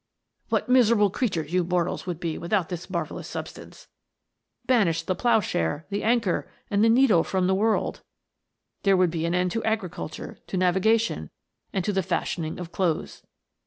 "What miserable creatures you mortals would be without this marvellous substance ! Banish the ploughshare, the anchor, and the needle from the world, and there would be an end to agriculture, to navigation, and to the fashioning of clothes.